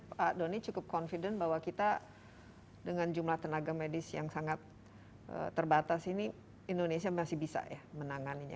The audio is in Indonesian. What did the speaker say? pak doni cukup confident bahwa kita dengan jumlah tenaga medis yang sangat terbatas ini indonesia masih bisa ya menanganinya